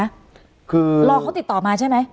คือรอเขาติดต่อมาใช่ไหม